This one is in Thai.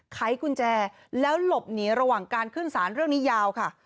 ไขกุญแจแล้วหลบหนีระหว่างการขึ้นสารเรื่องนี้ยาวค่ะ